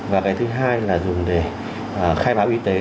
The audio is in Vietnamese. và cái thứ hai là dùng để khai báo y tế